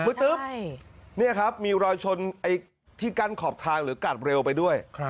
มืดตึบนี่ครับมีรอยชนที่กั้นขอบทางหรือกาดเรลไปด้วย